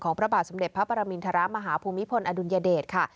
ของพระบาทสำเร็จพระประมินทรมาฮาภูมิพลอดุญเดชน์